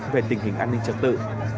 về tình hình an ninh trật tự